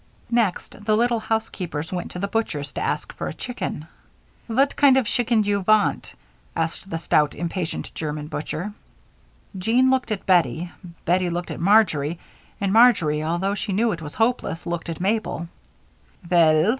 Next the little housekeepers went to the butcher's to ask for a chicken. "Vat kind of schicken you vant?" asked the stout, impatient German butcher. Jean looked at Bettie, Bettie looked at Marjory, and Marjory, although she knew it was hopeless, looked at Mabel. "Vell?"